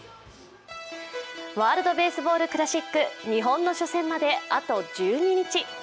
ワールドベースボールクラシック日本の初戦まであと１２日。